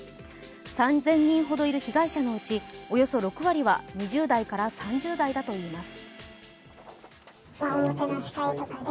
３０００人ほどいる被害者のうちおよそ６割は２０代から３０代だといいます。